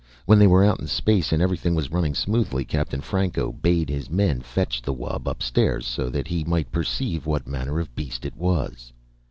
When they were out in space and everything was running smoothly, Captain Franco bade his men fetch the wub upstairs so that he might perceive what manner of beast it was.